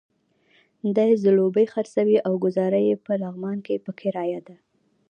دی ځلوبۍ خرڅوي او ګوزاره یې په لغمان کې په کرايه ده.